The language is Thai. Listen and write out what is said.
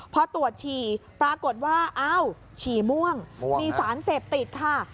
พอตรวจฉี่ปรากฏว่าอ้าวฉี่ม่วงมีสารเสพติดค่ะ